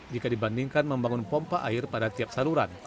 jika dibandingkan membangun pompa air pada tiap saluran